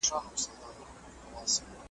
زه په کمپيوټر کي کوډ تمرين کوم.